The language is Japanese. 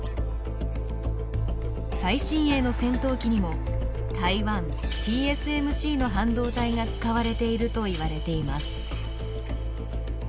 最新鋭の戦闘機にも台湾ＴＳＭＣの半導体が使われているといわれています。